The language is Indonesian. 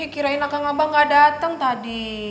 kirain akang abah gak dateng tadi